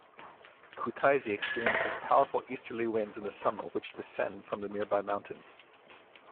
Kutaisi experiences powerful easterly winds in the summer which descend from the nearby mountains.